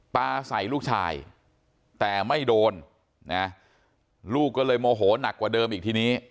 ปลาใส่ลูกชายแต่ไม่โดนนะลูกก็เลยโมโหนักกว่าเดิมอีกทีนี้